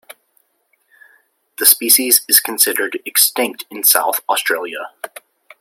The species is considered extinct in South Australia.